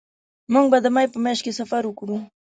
مونږ به د مې په میاشت کې سفر وکړو